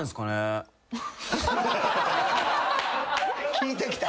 聞いてきた。